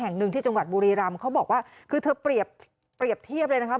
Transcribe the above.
แห่งหนึ่งที่จังหวัดบุรีรำเขาบอกว่าคือเธอเปรียบเทียบเลยนะคะ